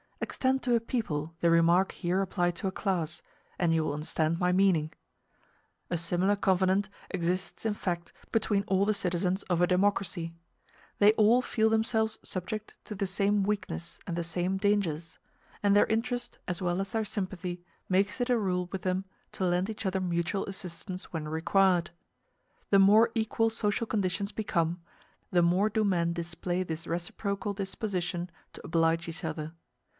Extend to a people the remark here applied to a class, and you will understand my meaning. A similar covenant exists in fact between all the citizens of a democracy: they all feel themselves subject to the same weakness and the same dangers; and their interest, as well as their sympathy, makes it a rule with them to lend each other mutual assistance when required. The more equal social conditions become, the more do men display this reciprocal disposition to oblige each other.